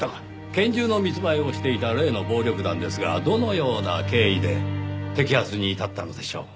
拳銃の密売をしていた例の暴力団ですがどのような経緯で摘発に至ったのでしょう。